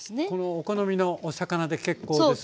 お好みのお魚で結構です。